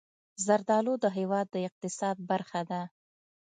زردالو د هېواد د اقتصاد برخه ده.